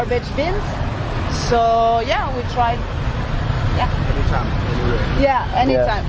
ทุกเวลา